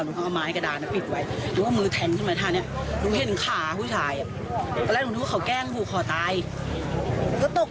ก็เลยรีบโทรแจ้งตำรวจให้มาตรวจสอบครับ